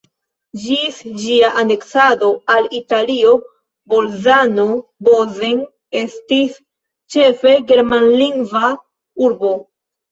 Ĝis ĝia aneksado al Italio Bolzano-Bozen estis ĉefe germanlingva urbo.